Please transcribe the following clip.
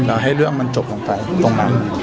แล้วให้เรื่องมันจบลงไปตรงนั้น